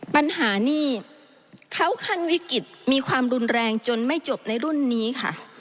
ปัญหานี่เขาขั้นวิกฤตมีความรุนแรงจนไม่จบในรุ่นนี้ค่ะ